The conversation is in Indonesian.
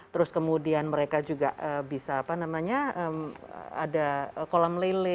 terus kemudian mereka juga bisa apa namanya ada kolam lele